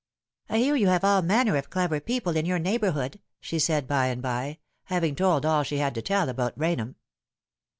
"I hear you have all manner of clever people in your neighbourhood," she said by and by, having told all she had to tell about Rainham.